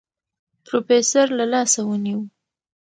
پروفيسر له لاسه ونيو.